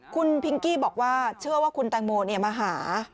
คุณพิงกี้บอกว่าเชื่อว่าคุณแตงโมมาหา